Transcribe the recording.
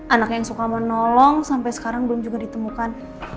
anak yang suka menolong sampai sekarang belum juga ditemukan